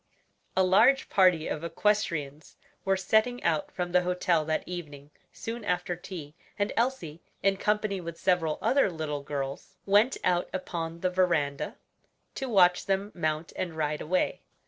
A large party of equestrians were setting out from the hotel that evening soon after tea, and Elsie, in company with several other little girls, went out upon the veranda to watch them mount and ride away.